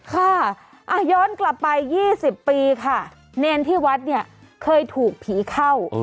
ค่ะย้อนกลับไป๒๐ปีค่ะเนรที่วัดเนี่ยเคยถูกผีเข้า